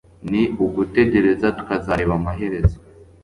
ni ugutegereza tukazareba amaherezo